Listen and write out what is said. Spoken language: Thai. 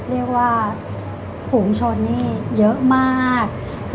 เรียกว่าผูลชนเยอะมาก